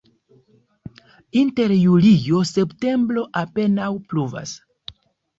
Inter julio-septembro apenaŭ pluvas.